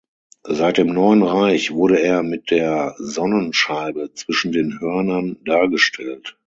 Seit dem Neuen Reich wurde er mit der Sonnenscheibe zwischen den Hörnern dargestellt.